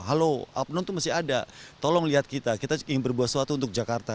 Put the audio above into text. halo abnon itu masih ada tolong lihat kita kita ingin berbuat sesuatu untuk jakarta